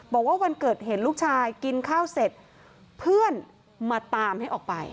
บอกว่าวันเกิดเห็นลูกชายกินข้าวเสร็จเพื่อนมาตามให้ออกไป